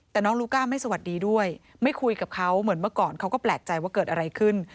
แต่น้องลูก้าไม่สวัสดีด้วยไม่คุยกับเขาเหมือนเมื่อก่อนเขาก็แปลกใจว่าเกิดอะไรขึ้น